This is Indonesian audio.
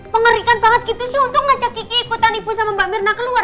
pengerikan banget gitu sih untuk ngajak kiki ikutan ibu sama mbak mirna keluar